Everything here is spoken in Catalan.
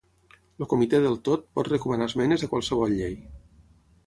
El Comitè del Tot pot recomanar esmenes a qualsevol llei.